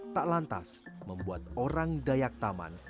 tak lantas membuat orang dayak taman